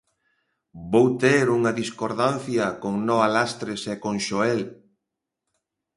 Vou ter unha discordancia con Noa Lastres e con Xoel.